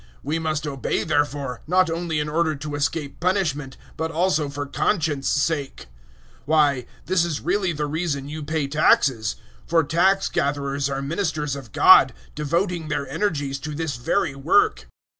013:005 We must obey therefore, not only in order to escape punishment, but also for conscience' sake. 013:006 Why, this is really the reason you pay taxes; for tax gatherers are ministers of God, devoting their energies to this very work.